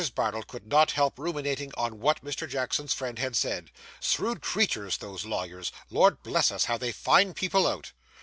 Bardell could not help ruminating on what Mr. Jackson's friend had said. Shrewd creatures, those lawyers. Lord bless us, how they find people out!